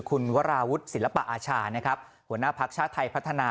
คุณวราวุฒิศิลปะอาชานะครับหัวหน้าภักดิ์ชาติไทยพัฒนา